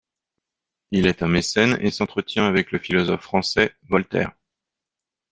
Il est un mécène et s'entretient avec le philosophe français Voltaire.